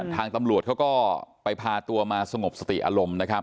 ทางตำรวจเขาก็ไปพาตัวมาสงบสติอารมณ์นะครับ